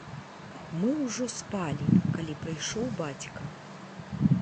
Мы ўжо спалі, калі прыйшоў бацька.